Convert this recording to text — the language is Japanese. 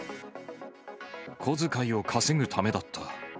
小遣いを稼ぐためだった。